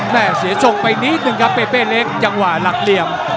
แม่เสียทรงไปนิดนึงครับเปเป้เล็กจังหวะหลักเหลี่ยม